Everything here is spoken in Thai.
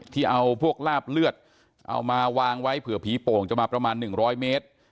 ที่เอาพวกลาบเลือดเอามาวางไว้เผื่อผีโป่งจะมาประมาณ๑๐๐เมตร